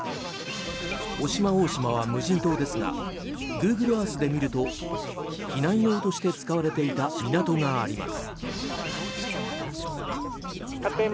渡島大島は無人島ですがグーグルアースで見ると避難用として使われていた港があります。